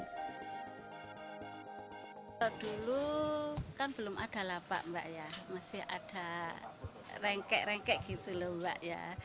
kalau dulu kan belum ada lapak mbak ya masih ada rengkek rengkek gitu loh mbak ya